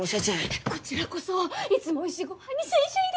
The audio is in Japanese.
こちらこそいつもおいしいごはんにシエシエです！